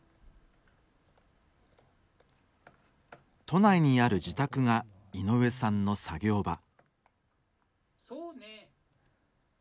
都内にある自宅が井上さんの作業場。